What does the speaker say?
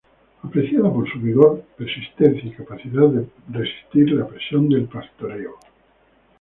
Apreciada por su vigor, persistencia y capacidad de resistir la presión del pastoreo.